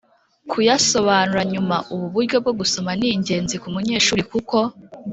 kuyasobanura nyuma. Ubu buryo bwo gusoma ni ingenzi ku munyeshuri kuko